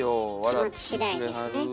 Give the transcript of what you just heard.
気持ち次第ですね。